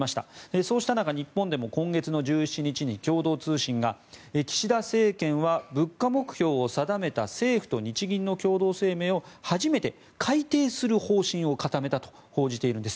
そうした中、日本でも今月の１７日に共同通信が岸田政権は物価目標を定めた政府と日銀の共同声明を初めて改定する方針を固めたと報じているんです。